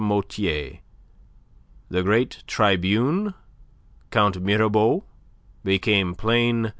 Motier, the great tribune Count Mirabeau became plain M.